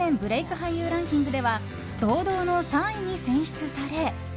俳優ランキングでは堂々の３位に選出され。